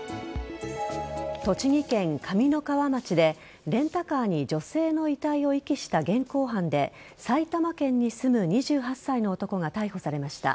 栃木県上三川町でレンタカーに女性の遺体を遺棄した現行犯で埼玉県に住む２８歳の男が逮捕されました。